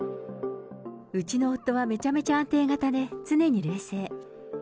うちの夫はめちゃめちゃ安定型で、常に冷静。